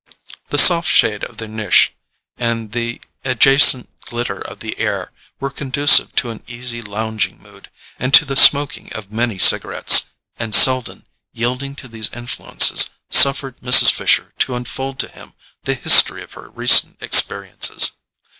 The soft shade of their niche, and the adjacent glitter of the air, were conducive to an easy lounging mood, and to the smoking of many cigarettes; and Selden, yielding to these influences, suffered Mrs. Fisher to unfold to him the history of her recent experiences.